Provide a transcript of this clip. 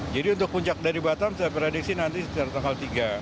jadi untuk puncak dari batam saya prediksi nanti setelah tanggal tiga